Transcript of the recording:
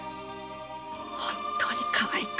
本当にかわいくて。